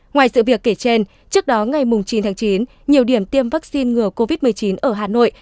ngoài sự việc kể trên trước đó ngày chín tháng chín nhiều điểm tiêm vaccine ngừa covid một mươi chín ở hà nội